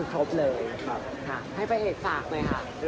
ก็คือครบเลยให้ภายเอกฝากไว้ครับ